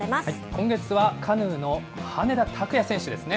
今月は、カヌーの羽根田卓也選手ですね。